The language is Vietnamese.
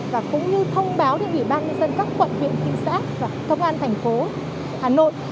và cũng như thông báo cho ủy ban nhân dân các quận huyện thị xã và công an thành phố hà nội